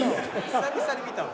久々に見たわ。